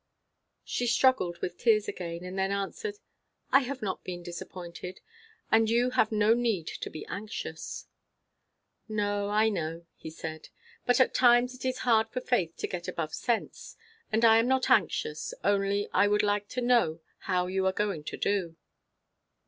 She struggled with tears again, and then answered, "I have not been disappointed. And you have no need to be anxious." "No, I know," he said. "But at times it is hard for faith to get above sense. And I am not anxious; only I would like to know how you are going to do."